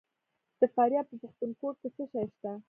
د فاریاب په پښتون کوټ کې څه شی شته؟